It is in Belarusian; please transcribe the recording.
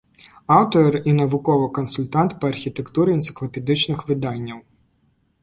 Аўтар і навуковы кансультант па архітэктуры энцыклапедычных выданняў.